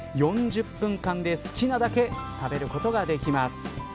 ４０分間で好きなだけ食べることができます。